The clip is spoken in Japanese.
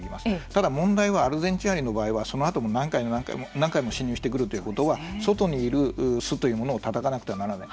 ただ問題はアルゼンチンアリの場合はそのあとも何回も侵入してくるということは外にいる巣というものをたたかなくてはならない。